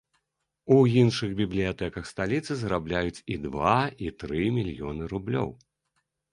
У іншых бібліятэках сталіцы зарабляюць і два, і тры мільёны рублёў.